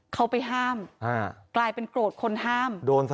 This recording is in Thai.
เขาไปห้ามกลายเป็นโกรธคนห้ามโดนซะ